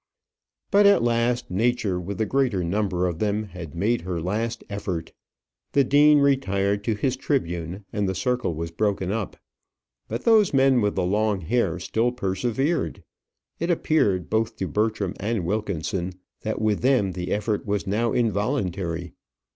But at last, nature with the greater number of them had made her last effort; the dean retired to his tribune, and the circle was broken up. But those men with the long hair still persevered. It appeared, both to Bertram and Wilkinson, that with them the effort was now involuntary.